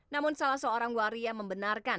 namun salah seorang waria membenarkan